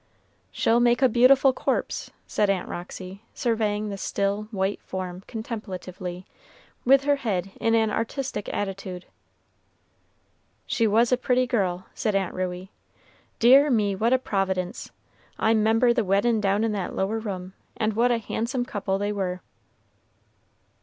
"She'll make a beautiful corpse," said Aunt Roxy, surveying the still, white form contemplatively, with her head in an artistic attitude. "She was a pretty girl," said Aunt Ruey; "dear me, what a Providence! I 'member the wedd'n down in that lower room, and what a handsome couple they were."